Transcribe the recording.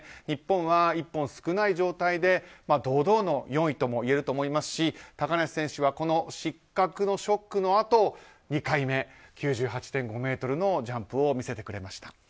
日本は１本少ない状態で堂々の４位ともいえると思いますし高梨選手はこの失格のショックのあと２回目９８．５ｍのジャンプを見せてくれました。